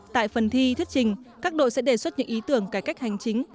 tại phần thi thuyết trình các đội sẽ đề xuất những ý tưởng cải cách hành chính